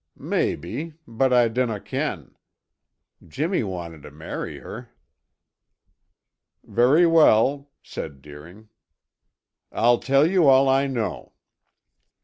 "Maybe, but I dinna ken. Jimmy wanted to marry her." "Very well," said Deering. "I'll tell you all I know."